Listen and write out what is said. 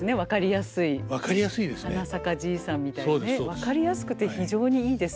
分かりやすくて非常にいいです。